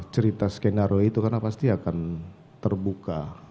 cerita skenario itu karena pasti akan terbuka